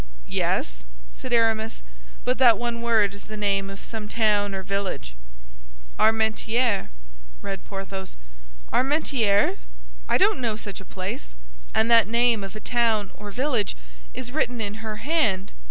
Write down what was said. "Yes," said Aramis, "but that one word is the name of some town or village." "Armentières," read Porthos; "Armentières? I don't know such a place." "And that name of a town or village is written in her hand!"